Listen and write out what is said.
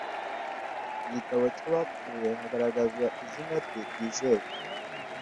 igitabo cy abapfuye hagaragazwa izina rye ryizewe